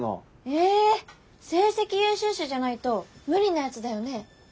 え成績優秀者じゃないと無理なやつだよね？